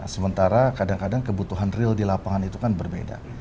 sementara kadang kadang kebutuhan real di lapangan itu kan berbeda